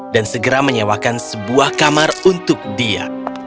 dan segera menyewakan sebuah kamar untuk dia